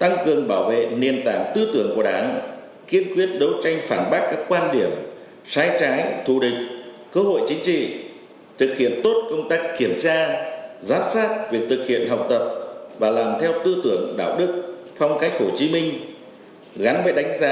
dân bàn dân bàn dân giám sát và dân thù hở